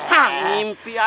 hah ngimpi aja